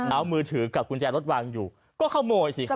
เอามือถือกับกุญแจรถวางอยู่ก็ขโมยสิครับ